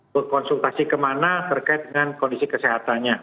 berkonsultasi kemana terkait dengan kondisi kesehatannya